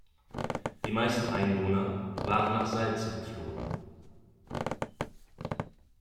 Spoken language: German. Die meisten Einwohner waren nach Salze geflohen.